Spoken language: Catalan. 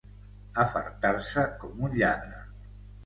Afartar-se com un lladre.